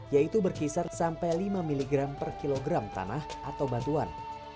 yaitu berkisar sampai lima miligram per kilogram tanah atau batuan